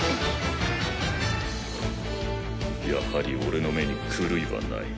やはり俺の目に狂いはない。